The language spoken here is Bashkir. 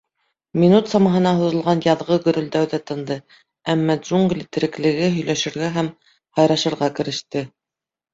Минут самаһына һуҙылған яҙғы гөрөлдәү ҙә тынды, әммә джунгли тереклеге һөйләшергә һәм һайрашырға кереште.